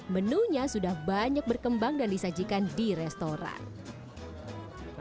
menunya sudah banyak berkembang dan disajikan di restoran